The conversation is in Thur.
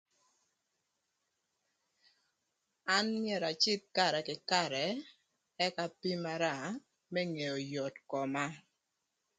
An myero acem karë kï karë ëk apimara më ngeo yot koma.